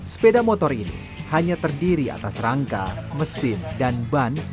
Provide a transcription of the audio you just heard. sepeda motor ini hanya terdiri atas rangka mesin dan ban